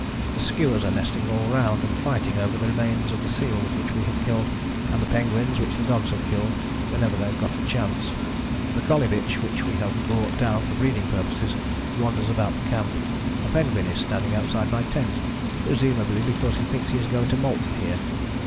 The skuas are nesting all round and fighting over the remains of the seals which we have killed, and the penguins which the dogs have killed, whenever they have got the chance. The collie bitch which we have brought down for breeding purposes wanders about the camp. A penguin is standing outside my tent, presumably because he thinks he is going to moult here.